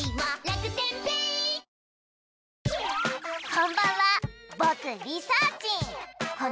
こんばんは僕リサーちん